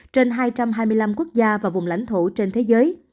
trên hai trăm hai mươi năm quốc gia và vùng lãnh thổ trên thế giới